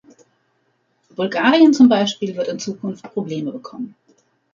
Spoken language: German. Bulgarien zum Beispiel wird in Zukunft Probleme bekommen.